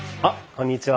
こんにちは。